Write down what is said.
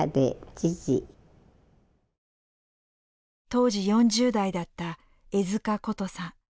当時４０代だった江塚ことさん。